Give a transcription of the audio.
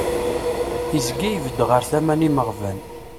Izga ibedd ɣer tama n yimaɣban.